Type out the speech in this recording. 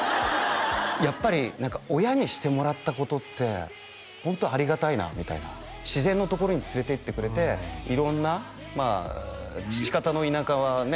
やっぱり何か親にしてもらったことってホントありがたいなみたいな自然のところに連れていってくれて色んなまあ父方の田舎はね